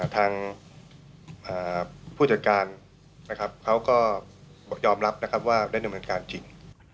ทางผู้จัดการเขาก็ยอมรับว่าได้นมทางการจริง